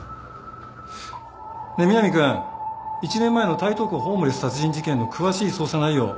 ねえ南君１年前の台東区ホームレス殺人事件の詳しい捜査内容